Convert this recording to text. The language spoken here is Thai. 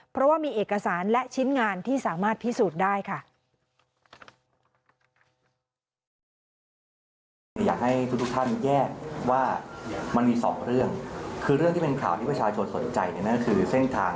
เพราะว่ามีเอกสารและชิ้นงานที่สามารถพิสูจน์ได้ค่ะ